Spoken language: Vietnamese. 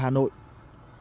chúng tôi sẽ